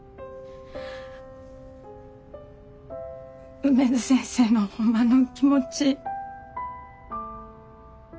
梅津先生のホンマの気持ち。